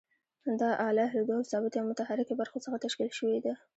دا آله له دوو ثابتې او متحرکې برخو څخه تشکیل شوې ده.